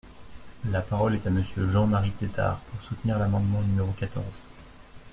La parole est à Monsieur Jean-Marie Tetart, pour soutenir l’amendement numéro quatorze.